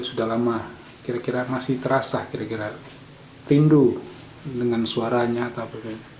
ini sudah lama kira kira masih terasa kira kira rindu dengan suaranya atau apa